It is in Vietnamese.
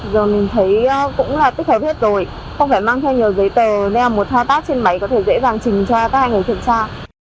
giờ mình thấy cũng là tích hợp hết rồi không phải mang theo nhiều giấy tờ nên là một thao tác trên máy có thể dễ dàng trình cho các anh ấy kiểm tra